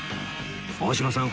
大島さん